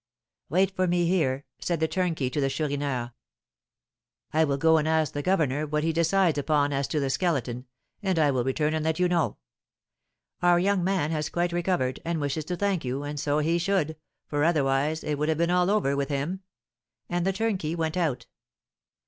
"Wait for me here," said the turnkey to the Chourineur. "I will go and ask the governor what he decides upon as to the Skeleton, and I will return and let you know. Our young man has quite recovered, and wishes to thank you, and so he should, for otherwise it would have been all over with him." And the turnkey went out.